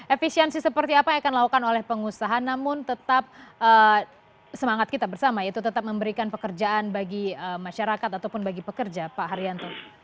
efisiensi seperti apa yang akan dilakukan oleh pengusaha namun tetap semangat kita bersama yaitu tetap memberikan pekerjaan bagi masyarakat ataupun bagi pekerja pak haryanto